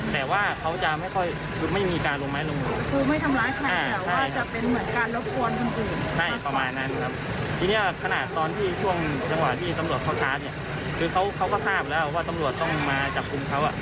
ทีนี้ขนาดตอนที่ช่วงจังหวะที่ตำรวจเขาชาร์จคือเขาก็ทราบแล้วว่าตำรวจต้องมาจับคุมเขา